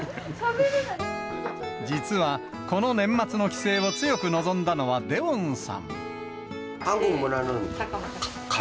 実は、この年末の帰省を強く望んだのは、デヲォンさん。